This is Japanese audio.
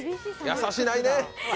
優しないね